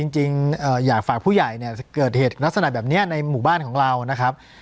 จริงอยากฝากผู้ใหญ่เนี่ยเกิดเหตุลักษณะแบบนี้ในหมู่บ้านของเรานะครับ